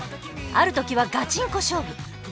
ある時はガチンコ勝負。